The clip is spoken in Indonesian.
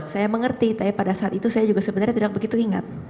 saya mengerti tapi pada saat itu saya juga sebenarnya tidak begitu ingat